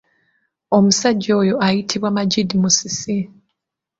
Omusajja oyo ayitibwa Magid Musisi.